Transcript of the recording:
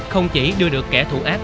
không chỉ đưa được kẻ thù ác